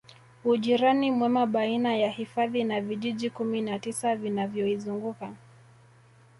Ujirani mwema baina ya hifadhi na vijiji Kumi na tisa vinavyoizunguka